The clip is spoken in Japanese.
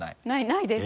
ないです。